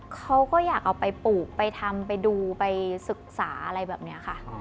เขาก็อยากเอาไปปลูกไปทำไปดูไปศึกษาอะไรแบบนี้ค่ะ